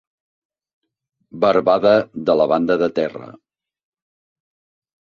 Barbada de la banda de terra.